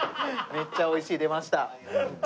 「めっちゃ美味しい」出ました。